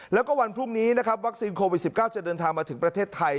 แล้วก็วันพรุ่งนี้นะครับวัคซีนโควิด๑๙จะเดินทางมาถึงประเทศไทย